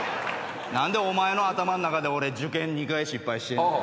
何でお前の頭ん中で俺受験２回失敗してんねん。